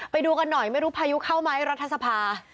ไปดูกันหน่อยไม่รู้พายุเข้าไหมรัฐสภา